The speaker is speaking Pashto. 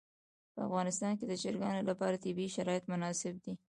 په افغانستان کې د چرګان لپاره طبیعي شرایط مناسب دي.